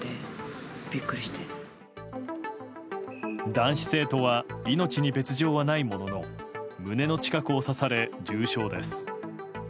男子生徒は命に別条はないものの胸の近くを刺され重傷です。